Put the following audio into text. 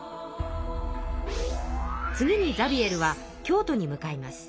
次にザビエルは京都に向かいます。